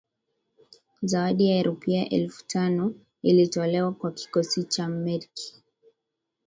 Zawadi ya rupia elfu tano ilitolewa kwa kikosi cha Merkl